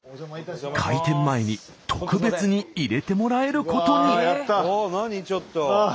開店前に特別に入れてもらえることに。